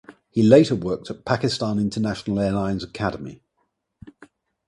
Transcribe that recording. He later worked at Pakistan International Airlines Academy.